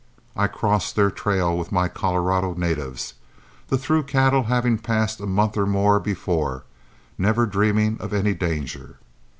I crossed their trail with my Colorado natives, the through cattle having passed a month or more before, never dreaming of any danger.